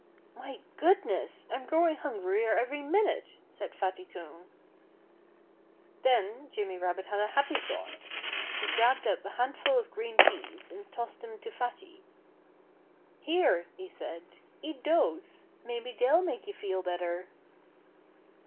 "My goodness! I'm growing hungrier every minute!" said Fatty Coon. Then Jimmy Rabbit had a happy thought. He grabbed up a handful of green peas and tossed them to Fatty. "Here!" he said. "Eat those! Maybe they'll make you feel better."